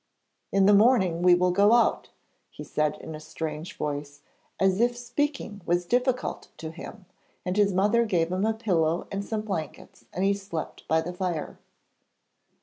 'In the morning we will go out,' he said in a strange voice, as if speaking was difficult to him, and his mother gave him a pillow and some blankets and he slept by the fire.